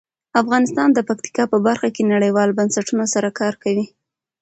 افغانستان د پکتیکا په برخه کې نړیوالو بنسټونو سره کار کوي.